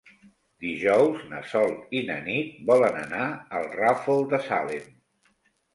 Dijous na Sol i na Nit volen anar al Ràfol de Salem.